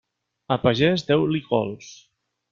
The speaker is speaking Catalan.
Al pagès, deu-li cols.